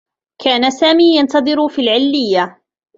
كان سامي ينتظر في العلّيّة.